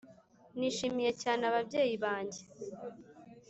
nishimiye cyane ababyeyi banjye